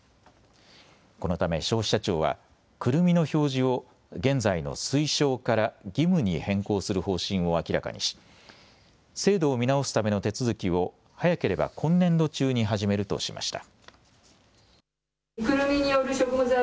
このため消費者庁は、くるみの表示を現在の推奨から義務に変更する方針を明らかにし制度を見直すための手続きを早ければ今年度中に始めるとしました。